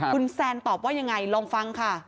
คุณแซนตอบว่ายังไงลองฟังค่ะ